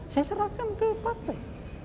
saya serahkan ke partai